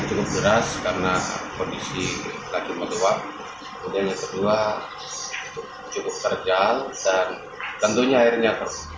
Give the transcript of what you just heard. cukup deras karena kondisi lagi meluap kemudian yang kedua cukup terjang dan tentunya airnya keras